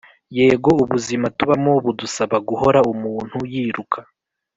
yego ubuzima tubamo budusaba guhora umuntu yiruka